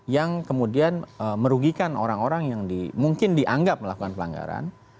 yang kemudian merugikan orang orang yang mungkin dianggap melakukan pelanggaran